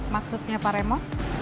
maksudnya pak remo